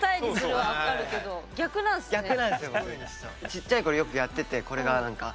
ちっちゃい頃よくやっててこれがなんか。